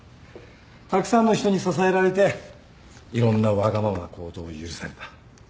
たくさんの人に支えられていろんなわがままな行動を許された。